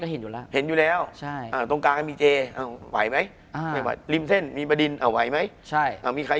คุณผู้ชมบางท่าอาจจะไม่เข้าใจที่พิเตียร์สาร